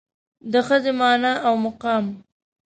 د ښځې مانا او مقام